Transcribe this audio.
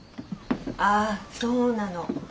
ああそうなの。